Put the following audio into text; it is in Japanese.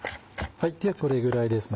ではこれぐらいですね